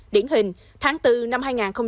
điển hình tháng bốn năm hai nghìn hai mươi